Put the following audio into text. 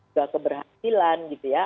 juga keberhasilan gitu ya